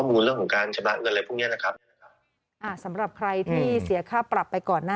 หรือแอปพลิเคชันเพื่อขอรับเงินเข็ม